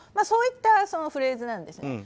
そういったフレーズなんです。